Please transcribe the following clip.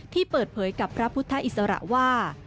ที่เปิดเผยกับพระพุทธอิสระว่า